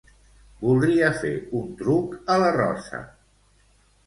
Voldria fer un truc a la Rosa.